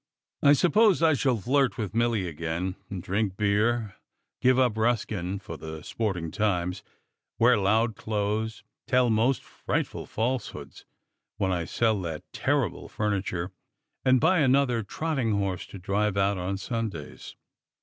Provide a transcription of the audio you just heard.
I suppose I shall flirt with Milly again, and drink beer, give up Ruskin for the Sporting Times, wear loud clothes, tell most frightful falsehoods when I sell that terrible furniture and buy another trotting horse to drive out on Sundays.